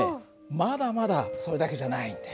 まだまだそれだけじゃないんだよ。